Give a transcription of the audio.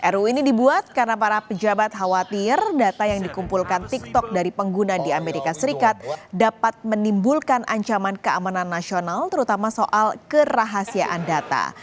ru ini dibuat karena para pejabat khawatir data yang dikumpulkan tiktok dari pengguna di amerika serikat dapat menimbulkan ancaman keamanan nasional terutama soal kerahasiaan data